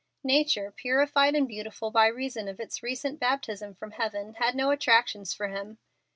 Nature, purified and beautiful by reason of its recent baptism from heaven, had no attractions for him.